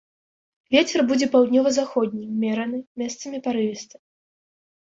Вецер будзе паўднёва-заходні ўмераны, месцамі парывісты.